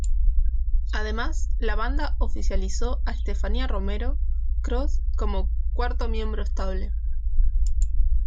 Además, la banda oficializó a Estefanía Romero-Cors como cuarto miembro estable.